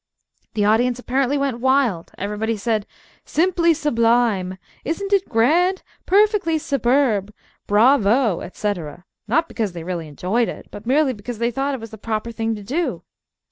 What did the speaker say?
The audience apparently went wild. Everybody said "Simply sublime!" "Isn't it grand?" "Perfectly superb!" "Bravo!" etc.; not because they really enjoyed it, but merely because they thought it was the proper thing to do.